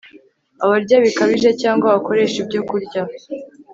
Abarya bikabije cyangwa bakoresha ibyokurya